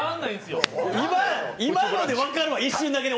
今ので分かるわ、一瞬だけで。